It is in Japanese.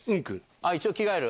一応着替える？